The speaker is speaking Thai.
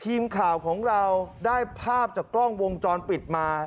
ทีมข่าวของเราได้ภาพจากกล้องวงจรปิดมา